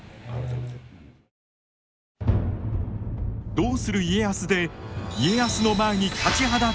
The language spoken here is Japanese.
「どうする家康」で家康の前に立ちはだかる信玄。